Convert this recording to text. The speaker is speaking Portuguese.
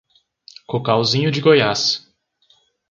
Cocalzinho de Goiás